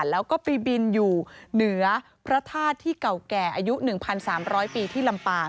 แล้วก็ไปบินอยู่เหนือพระธาตุที่เก่าแก่อายุ๑๓๐๐ปีที่ลำปาง